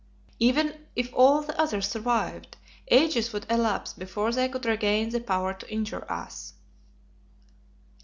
Even if all the others survived ages would elapse before they could regain the power to injure us."